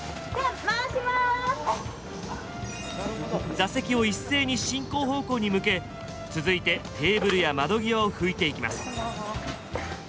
座席を一斉に進行方向に向け続いてテーブルや窓際を拭いていきます。